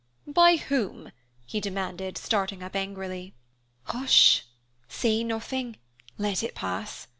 "By whom?" he demanded, starting up angrily. "Hush, say nothing, let it pass.